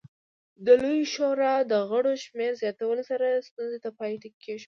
د لویې شورا د غړو شمېر زیاتولو سره ستونزې ته پای ټکی کېښود